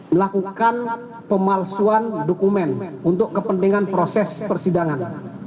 melakukan pemalsuan dokumen untuk kepentingan proses persidangan